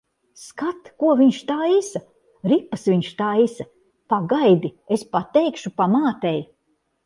Skat, ko viņš taisa! Ripas viņš taisa. Pagaidi, es pateikšu pamātei.